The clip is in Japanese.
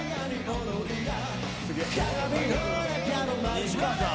西川さん。